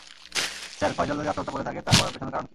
Sir, Faizal যদি আত্মহত্যা করে থাকে, তা করার পেছনের কারণ কী?